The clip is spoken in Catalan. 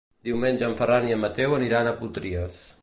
Diumenge en Ferran i en Mateu aniran a Potries.